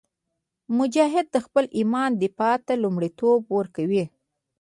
مجاهد د خپل ایمان دفاع ته لومړیتوب ورکوي.